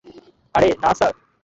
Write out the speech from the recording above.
আরে, না স্যার।